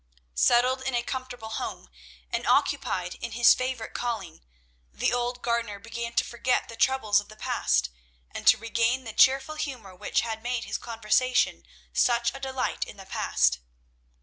Settled in a comfortable home, and occupied in his favourite calling, the old gardener began to forget the troubles of the past, and to regain the cheerful humour which had made his conversation such a delight in the past.